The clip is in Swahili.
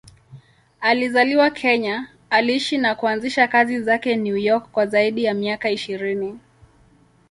Alizaliwa Kenya, aliishi na kuanzisha kazi zake New York kwa zaidi ya miaka ishirini.